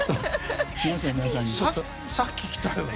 さっき来たよね。